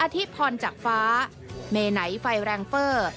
อธิบพรจากฟ้าเมไนไฟแรงเฟอร์